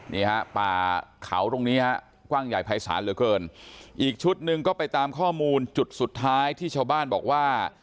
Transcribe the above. นี่ฮะป่าเขาตรงนี้ฮะกว้างใหญ่ภายศาลเหลือเกินอีกชุดหนึ่งก็ไปตามข้อมูลจุดสุดท้ายที่ชาวบ้านบอกว่า